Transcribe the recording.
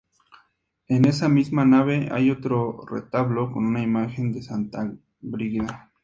En esa misma nave hay otro retablo con una imagen de santa Brígida.